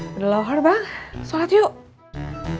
udah lahar bang sholat yuk